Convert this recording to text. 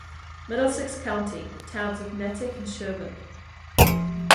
Middlesex County: Towns of Natick and Sherborn.